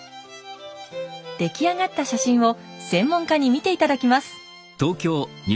出来上がった写真を専門家に見て頂きます。